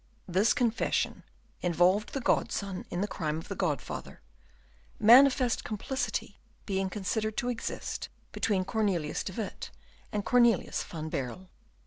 This confession involved the godson in the crime of the godfather; manifest complicity being considered to exist between Cornelius de Witt and Cornelius van Baerle.